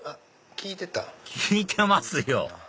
聞いてますよ